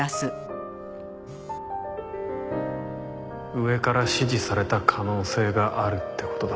上から指示された可能性があるって事だ。